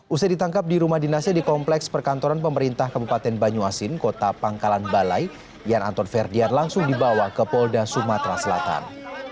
usai ditangkap di rumah dinasnya di kompleks perkantoran pemerintah kabupaten banyuasin kota pangkalan balai yan anton ferdian langsung dibawa ke polda sumatera selatan